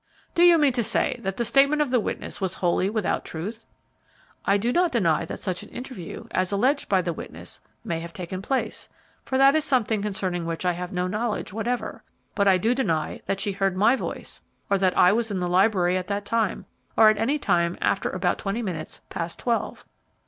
"Do you mean to say that the statement of the witness was wholly without truth?" "I do not deny that such an interview, as alleged by the witness, may have taken place, for that is something concerning which I have no knowledge whatever; but I do deny that she heard my voice, or that I was in the library at that time, or at any time after about twenty minutes past twelve."